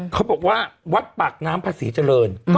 เขาบอกว่าวัดปากน้ำภาษีเจริญ